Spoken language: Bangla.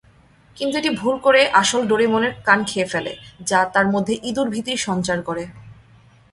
কিন্তু এটি ভুল করে আসল ডোরেমনের কান খেয়ে ফেলে, যা তার মধ্যে ইঁদুর-ভীতির সঞ্চার করে।